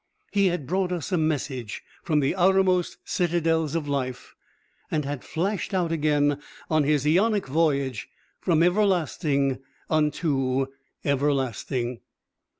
He had brought us a message from the outermost citadels of life and had flashed out again on his aeonic voyage from everlasting unto everlasting.